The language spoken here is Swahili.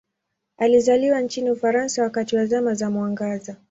Alizaliwa nchini Ufaransa wakati wa Zama za Mwangaza.